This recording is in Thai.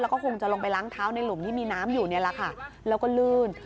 แล้วคงจะลงไปล้างเท้าในหลุมที่มีน้ำอยู่แล้วก็ลื่น